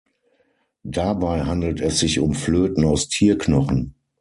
Dabei handelt es sich um Flöten aus Tierknochen.